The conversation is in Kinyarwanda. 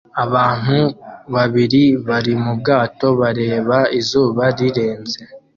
Abantu babiri bari mu bwato bareba izuba rirenze